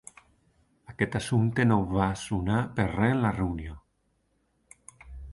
Aquest assumpte no va sonar per res en la reunió.